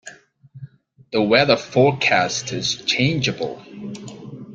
The weather forecast is changeable.